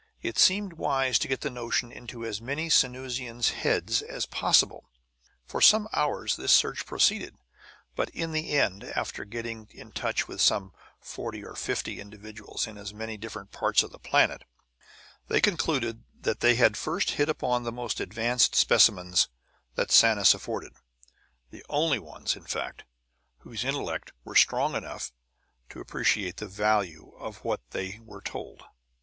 It seemed wise to get the notion into as many Sanusian heads as possible. For some hours this search proceeded; but in the end, after getting in touch with some forty or fifty individuals in as many different parts of the planet, they concluded that they had first hit upon the most advanced specimens that Sanus afforded; the only ones, in fact, whose intellect were strong enough to appreciate the value of what they were told.